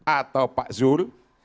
atau pak zul